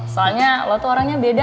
soalnya lo tuh orangnya beda